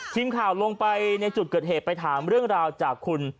ทีมข่าวลงไปในจุดเกิดเหตุไปถามเรื่องราวจากคุณ